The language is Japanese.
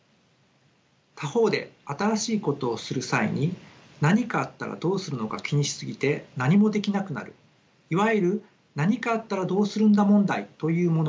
他方で新しいことをする際に何かあったらどうするのか気にし過ぎて何もできなくなるいわゆる何かあったらどうするんだ問題というものもあります。